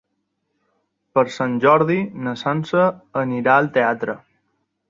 Per Sant Jordi na Sança anirà al teatre.